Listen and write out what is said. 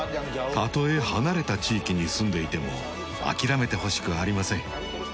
たとえ離れた地域に住んでいても諦めてほしくありません。